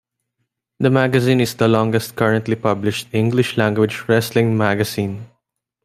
The magazine is the longest currently published English language wrestling magazine.